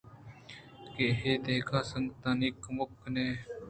کہ اے دگہ سنگت آئی ءِ کُمکّ ءَ کن اَنت